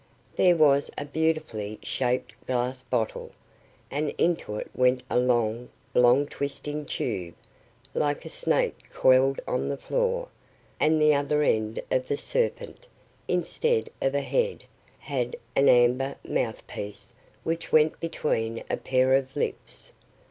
There was a beautifully shaped glass bottle, and into it went a long, long twisting tube, like a snake coiled on the floor, and the other end of the serpent, instead of a head, had an amber mouth piece which went between a pair of lips.